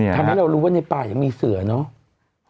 เนี่ยฮะทำไมเรารู้ว่าในป่ายังมีเสือเนาะ